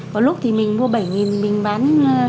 có lúc thì mình mua bảy mình bán